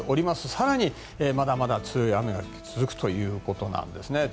更に、まだまだ強い雨が続くということなんですね。